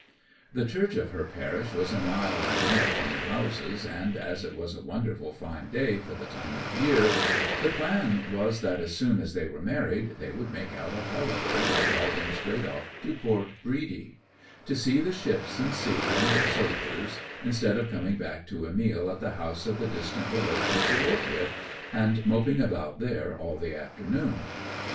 'The church of her parish was a mile and more from the houses, and, as it was a wonderful fine day for the time of year, the plan was that as soon as they were married they would make out a holiday by driving straight off to Port Bredy, to see the ships and the sea and the sojers, instead of coming back to a meal at the house of the distant relation she lived wi', and moping about there all the afternoon.